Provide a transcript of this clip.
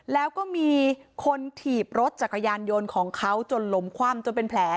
แล้วก็มีคนถีบรถจักรยานยนต์ของเขาจนล้มคว่ำจนเป็นแผล